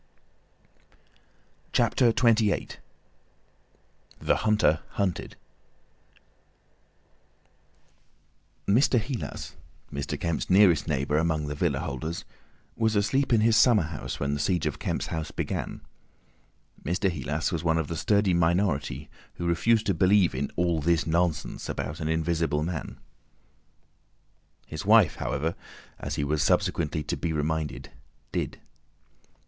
CHAPTER XXVIII. THE HUNTER HUNTED Mr. Heelas, Mr. Kemp's nearest neighbour among the villa holders, was asleep in his summer house when the siege of Kemp's house began. Mr. Heelas was one of the sturdy minority who refused to believe "in all this nonsense" about an Invisible Man. His wife, however, as he was subsequently to be reminded, did.